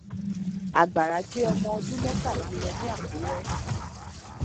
Àgbàrá gbé ọmọ ọdún mẹ́tàlá lọ ni Àkúrẹ́.